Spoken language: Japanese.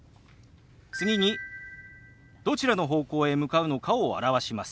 次にどちらの方向へ向かうのかを表します。